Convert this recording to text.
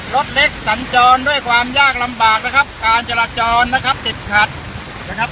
รถเล็กสัญจรด้วยความยากลำบากนะครับการจราจรนะครับติดขัดนะครับ